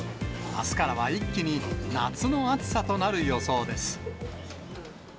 あすからは一気に夏の暑さとなる予想です。